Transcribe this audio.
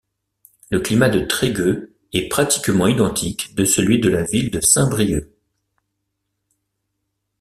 Le climat de Trégueux est pratiquement identique de celui de la ville de Saint-Brieuc.